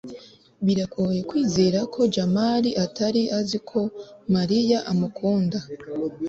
biragoye kwizera ko jamali atari azi ko mariya amukunda